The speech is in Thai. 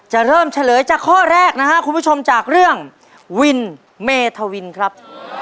เริ่มเฉลยจากข้อแรกนะครับคุณผู้ชมจากเรื่องวินเมธวินครับ